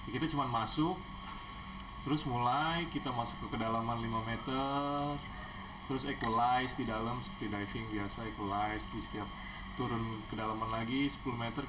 kita cuma masuk terus mulai kita masuk ke kedalaman lima meter